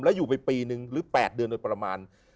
แล้วอยู่ไปปีนึงหรือ๘เดือนโดยประมาณ